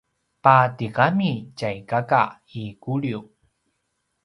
patigami tjay kaka i Kuliu